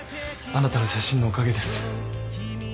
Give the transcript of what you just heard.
あなたの写真のおかげです。